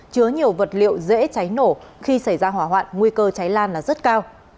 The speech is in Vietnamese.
chứa nhiều vật liệu dễ cháy nổ khi xảy ra hỏa hoạn nguy cơ cháy lan là rất cao